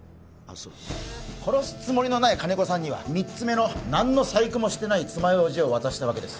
そうだ殺すつもりのない金子さんには３つ目の何の細工もしてない爪楊枝を渡したわけです